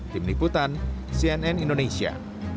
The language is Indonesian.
tim liputan cnn indonesia